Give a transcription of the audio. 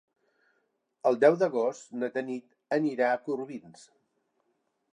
El deu d'agost na Tanit anirà a Corbins.